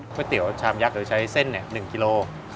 ก๋วยเตี๋ยวชามยักษ์เราจะใช้เส้น๑กิโล